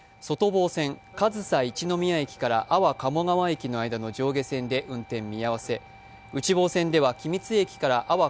外房線、上総一ノ宮から安房鴨川駅の上下線で運転見合わせ。